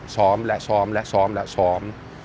ซ้อมและซ้อมและซ้อมและซ้อม